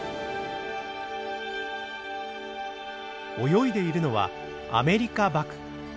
泳いでいるのはアメリカバク。